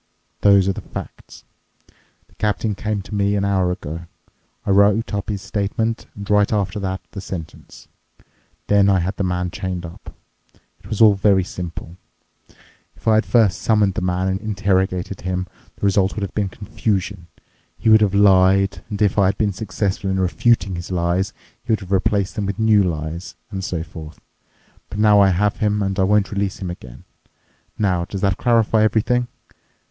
Those are the facts. The captain came to me an hour ago. I wrote up his statement and right after that the sentence. Then I had the man chained up. It was all very simple. If I had first summoned the man and interrogated him, the result would have been confusion. He would have lied, and if I had been successful in refuting his lies, he would have replaced them with new lies, and so forth. But now I have him, and I won't release him again. Now, does that clarify everything?